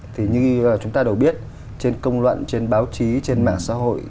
thì như chúng ta đều biết trên công luận trên báo chí trên mạng xã hội